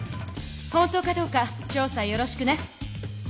本当かどうか調査をよろしくね。